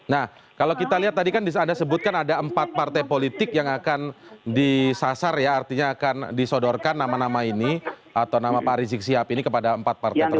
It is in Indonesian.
nah kalau kita lihat tadi kan anda sebutkan ada empat partai politik yang akan disasar ya artinya akan disodorkan nama nama ini atau nama pak rizik sihab ini kepada empat partai tersebut